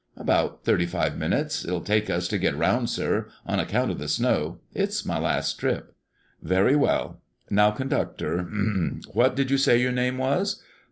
"About thirty five minutes it'll take us to get round, sir, on account of the snow. It's my last trip." "Very well. Now, conductor ahem! what did you say your name was?"